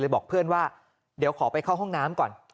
บอกเพื่อนว่าเดี๋ยวขอไปเข้าห้องน้ำก่อน